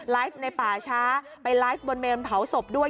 ในป่าช้าไปไลฟ์บนเมนเผาศพด้วย